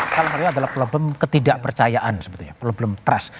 hal ini adalah problem ketidakpercayaan sebetulnya problem trust